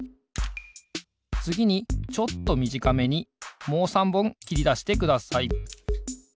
つぎにちょっとみじかめにもう３ぼんきりだしてください。